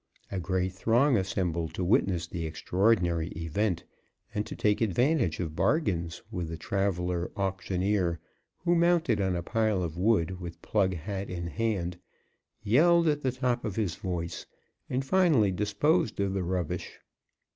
A great throng assembled to witness the extraordinary event, and to take advantage of bargains with the traveler auctioneer, who, mounted on a pile of wood, with plug hat in hand, yelled at the top of his voice and finally disposed of the rubbish.